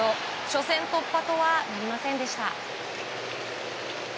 初戦突破とはなりませんでした。